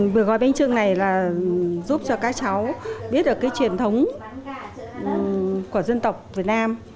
bữa gói bánh trưng này là giúp cho các cháu biết được cái truyền thống của dân tộc việt nam